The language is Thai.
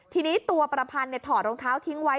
ทีนี้ตัวประพันธ์ถอดรองเท้าทิ้งไว้